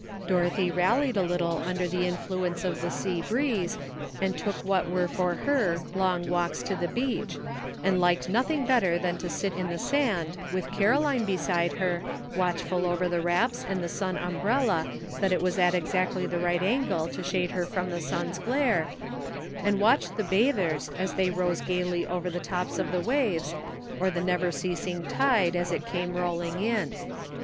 Dorothy rallied a little under the influence of the sea breeze, and took what were for her long walks to the beach, and liked nothing better than to sit in the sand with Caroline beside her, watchful over the wraps 864 ANOTnEB '"SIDE TRACK." and the sun umbrella, that it was at exactly the right angle to shade her from the sun's glare, and watch the bathers, as they rose gaily over the tops of the waves, or the never ceas ing tide as it came rolling in.